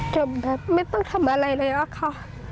แบบไม่ต้องทำอะไรเลยอะค่ะ